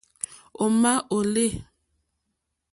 Ò má ó lê.